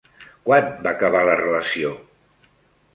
Quan va acabar la relació?